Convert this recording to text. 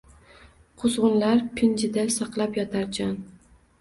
Quzg’unlar pinjida saqlab yotar jon.